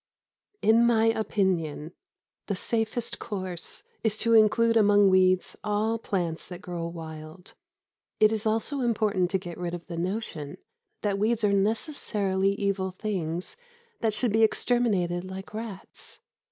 In my opinion, the safest course is to include among weeds all plants that grow wild. It is also important to get rid of the notion that weeds are necessarily evil things that should be exterminated like rats.